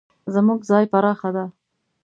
زموږ ځای پراخه ده